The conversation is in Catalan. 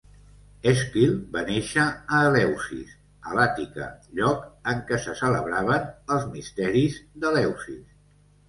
Èsquil va néixer a Eleusis, a l'Àtica, lloc en què se celebraven els misteris d'Eleusis.